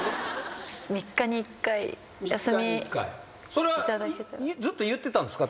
それはずっと言ってたんですか？